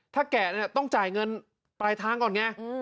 ถ้าแกะเนี่ยต้องจ่ายเงินปลายทางก่อนไง